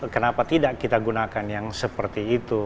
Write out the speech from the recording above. kenapa tidak kita gunakan yang seperti itu